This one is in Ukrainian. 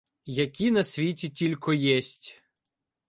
Які на світі тілько єсть: